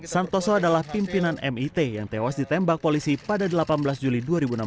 santoso adalah pimpinan mit yang tewas ditembak polisi pada delapan belas juli dua ribu enam belas